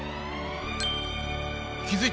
気付いた？